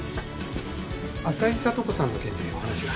浅井聡子さんの件でお話が。